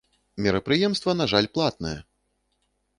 Мерапрыемства, на жаль, платнае!